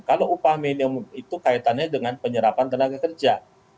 kalau upah minimum itu kaitannya dengan penyerapan tenaga kerja